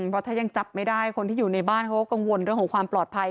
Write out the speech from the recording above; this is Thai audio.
เพราะถ้ายังจับไม่ได้คนที่อยู่ในบ้านเขาก็กังวลเรื่องของความปลอดภัย